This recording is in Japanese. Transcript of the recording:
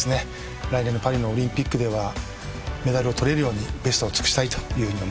来年のパリのオリンピックではメダルを取れるようにベストを尽くしたいというふうに思ってます。